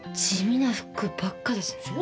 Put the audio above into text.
地味な服ばっかですね。